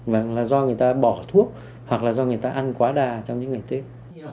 vâng là do người ta bỏ thuốc hoặc là do người ta ăn quá đà trong những ngày tết